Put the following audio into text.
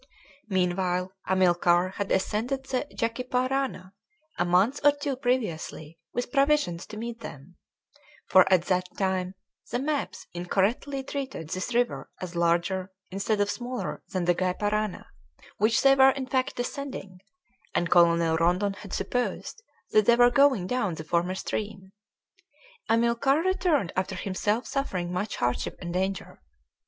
Meanwhile Amilcar had ascended the Jacyparana a month or two previously with provisions to meet them; for at that time the maps incorrectly treated this river as larger, instead of smaller, than the Gy Parana, which they were in fact descending; and Colonel Rondon had supposed that they were going down the former stream. Amilcar returned after himself suffering much hardship and danger.